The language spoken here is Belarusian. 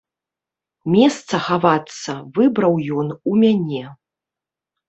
Месца хавацца выбраў ён у мяне.